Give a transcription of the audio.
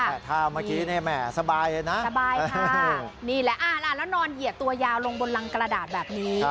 เห็นสตาวเมื่อกี้สบายเลยนะอ่านแล้วนอนเหยียดตัวยาวลงบนรังกระดาษแบบนี้